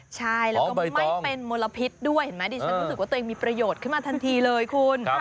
ใช่แล้วก็ไม่เป็นมลพิษด้วยเห็นไหมดิฉันรู้สึกว่าตัวเองมีประโยชน์ขึ้นมาทันทีเลยคุณ